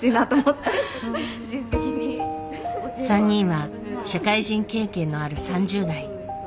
３人は社会人経験のある３０代。